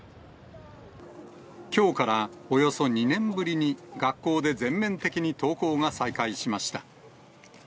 きょうからおよそ２年ぶりに、学校で全面的に登校が再開しました。